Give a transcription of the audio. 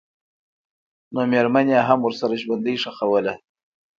نومېرمن یې هم ورسره ژوندۍ ښخوله.